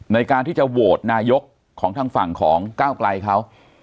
ในการที่จะโหวตนายกของทางฝั่งของก้าวไกลเขา